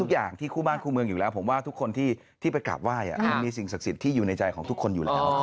ทุกอย่างที่คู่บ้านคู่เมืองอยู่แล้วผมว่าทุกคนที่ไปกราบไหว้มันมีสิ่งศักดิ์สิทธิ์ที่อยู่ในใจของทุกคนอยู่แล้ว